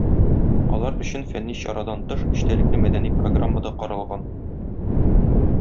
Алар өчен фәнни чарадан тыш эчтәлекле мәдәни программа да каралган.